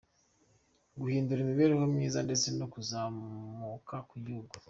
Guhindura imibereho myiza, ndetse no kuzamuka kw’igihugu.